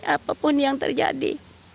apapun yang terjadi